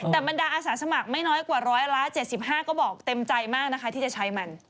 แต่บรรดาอาสาสมัครไม่น้อยกว่าร้อยละ๗๕ก็บอกเต็มใจมากนะคะที่จะใช้มัน